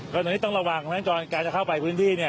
ตอนนี้ต้องระวังเพราะฉะนั้นตอนการจะเข้าไปพื้นที่เนี่ย